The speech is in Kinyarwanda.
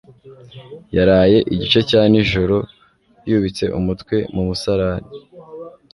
Yaraye igice cya nijoro yubitse umutwe mu musarani.